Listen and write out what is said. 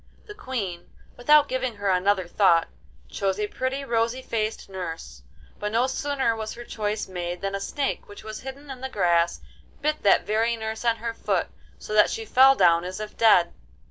The Queen, without giving her another thought, chose a pretty rosy faced nurse, but no sooner was her choice made than a snake, which was hidden in the grass, bit that very nurse on her foot, so that she fell down as if dead.